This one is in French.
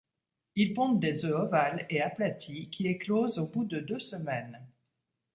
Ils pondent des œufs ovales et aplatis qui éclosent au bout de deux semaines.